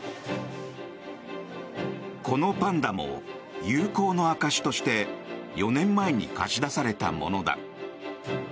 このパンダも友好の証しとして４年前に貸し出されたものだ。